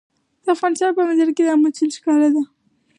د افغانستان په منظره کې آمو سیند ښکاره ده.